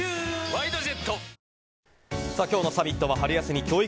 今日のサミットは春休み教育